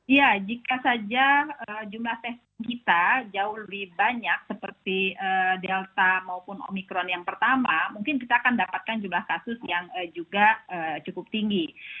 ya jika saja jumlah testing kita jauh lebih banyak seperti delta maupun omikron yang pertama mungkin kita akan dapatkan jumlah kasus yang juga cukup tinggi